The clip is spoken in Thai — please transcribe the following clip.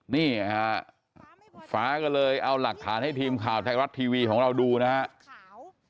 นี่ฮะฟ้าก็เลยเอาหลักฐานให้ทีมข่าวไทยรัฐทีวีของเราดูนะครับ